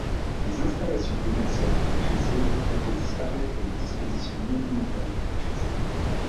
Les installations commerciales du rez-de-chaussée ont fait disparaître les dispositions monumentales du rez-de-chaussée.